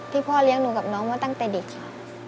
พ่อเลี้ยงหนูกับน้องมาตั้งแต่เด็กค่ะ